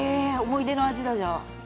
思い出の味だじゃあ。